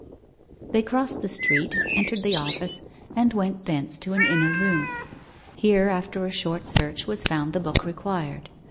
They crossed the street, entered the office, and went thence to an inner room. Here, after a short search, was found the book required.